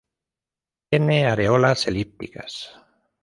Tiene areolas elípticas.